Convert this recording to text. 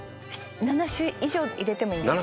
「７種以上入れてもいいんです」